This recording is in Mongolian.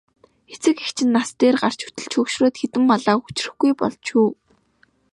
Эцэг эх чинь нас дээр гарч өтөлж хөгшрөөд хэдэн малаа хүчрэхгүй болж шүү.